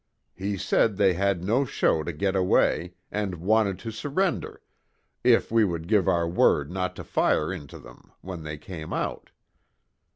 He said they had no show to get away, and wanted to surrender, if we would give our word not to fire into them, when they came out.